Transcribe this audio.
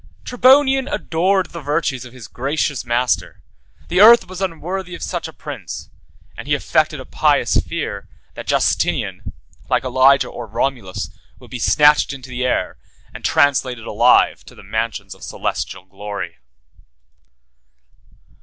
Tribonian adored the virtues of his gracious master: the earth was unworthy of such a prince; and he affected a pious fear, that Justinian, like Elijah or Romulus, would be snatched into the air, and translated alive to the mansions of celestial glory.